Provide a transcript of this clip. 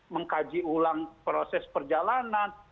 mengkaji ulang proses perjalanan